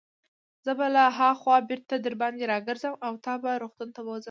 زه به له هاخوا بیرته درباندې راګرځم او تا به روغتون ته بوزم.